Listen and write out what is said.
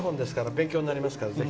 勉強になります。